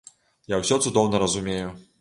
Я ўсё цудоўна разумею.